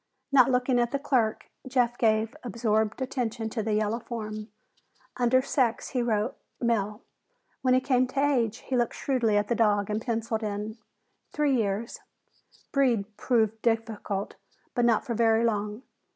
Not looking at the clerk, Jeff gave absorbed attention to the yellow form. Under "sex" he wrote "male." When he came to "age" he looked shrewdly at the dog and penciled in "3 yrs." "Breed" proved difficult, but not for very long.